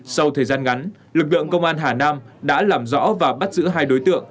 sau thời gian ngắn lực lượng công an hà nam đã làm rõ và bắt giữ hai đối tượng